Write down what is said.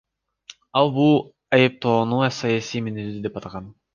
Ал бул айыптоону саясий мүнөздүү деп атаган.